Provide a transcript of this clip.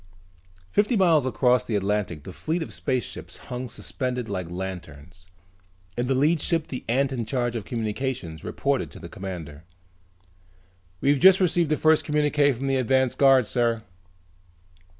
Fifty miles above the Atlantic the fleet of spaceships hung suspended like lanterns. In the lead ship the ant in charge of communications reported to the commander. "We've just received the first communique from the advance guard, sir."